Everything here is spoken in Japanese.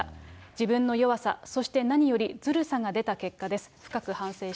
自分の弱さ、そして何よりずるさが出た結果です。